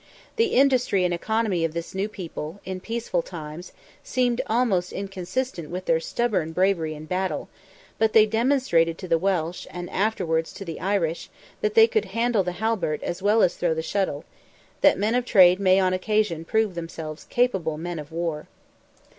The industry and economy of this new people, in peaceful times, seemed almost inconsistent with their stubborn bravery in battle; but they demonstrated to the Welsh, and afterwards to the Irish, that they could handle the halbert as well as throw the shuttle; that men of trade may on occasion prove themselves capable men of war.